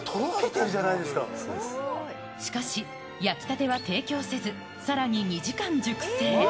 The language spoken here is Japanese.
しかし、焼きたては提供せず、さらに２時間熟成。